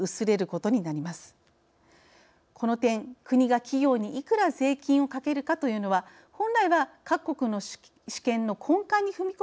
この点国が企業にいくら税金をかけるかというのは本来は各国の主権の根幹に踏み込むような話です。